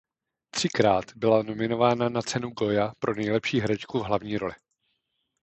Třikrát byla nominována na Cenu Goya pro nejlepší herečku v hlavní roli.